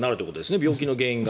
病気の原因が。